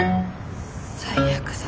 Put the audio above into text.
最悪だ。